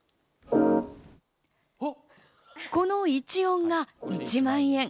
この１音が１万円。